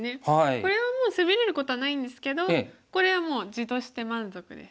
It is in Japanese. これはもう攻めれることはないんですけどこれはもう地として満足です。